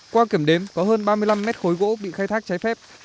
qua kiểm đếm có hơn ba mươi năm mét khối gỗ bị khai thác trái phép